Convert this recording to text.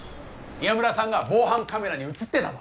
岩村さんが防犯カメラに写ってたぞ